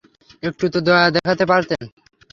একটু তো দয়া দেখাতে পারতেন।